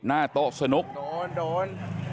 หน้าโต๊ะสนุกโดนโดน